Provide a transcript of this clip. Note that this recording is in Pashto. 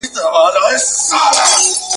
کله کله به هیلۍ ورته راتللې ..